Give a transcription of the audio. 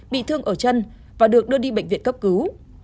bị thương ở chân và được đưa đi bệnh viện cấp cứu